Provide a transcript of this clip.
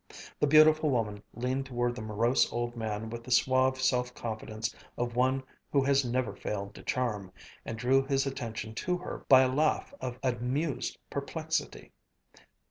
The beautiful woman leaned toward the morose old man with the suave self confidence of one who has never failed to charm, and drew his attention to her by a laugh of amused perplexity.